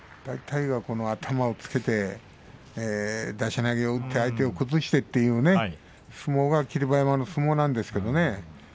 大体が頭をつけて出し投げを打って相手を崩してという相撲が霧馬山の相撲なんですけどね。